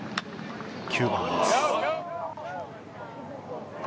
９番です。